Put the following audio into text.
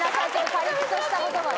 パリピとしたことが。えっ！？